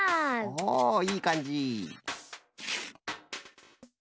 おおいいかんじ！